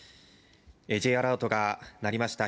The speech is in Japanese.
Ｊアラートが鳴りました